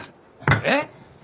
えっ！？